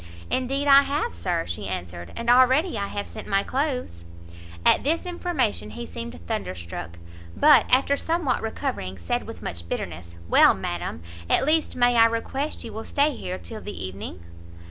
"Indeed I have, Sir," she answered, "and already I have sent my clothes." At this information he seemed thunderstruck; but, after somewhat recovering, said with much bitterness, "Well, madam, at least may I request you will stay here till the evening?"